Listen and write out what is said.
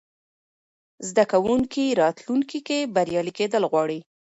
زده کوونکي راتلونکې کې بریالي کېدل غواړي.